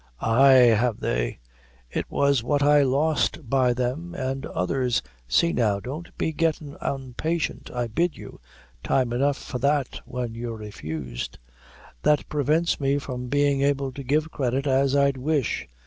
"Ay, have they; it was what I lost by them an' others see now, don't be gettin' onpatient, I bid you time enough for that when you're refused that prevints me from bein' able to give credit as I'd wish.